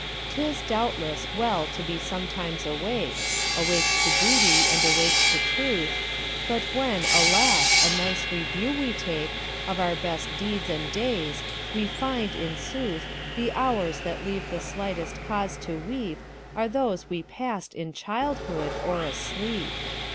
'T is, doubtless, well to be sometimes awake,—Awake to duty, and awake to truth,—But when, alas! a nice review we takeOf our best deeds and days, we find, in sooth, The hours that leave the slightest cause to weepAre those we passed in childhood or asleep!